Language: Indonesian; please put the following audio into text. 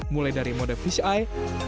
mulai dari mode fisheye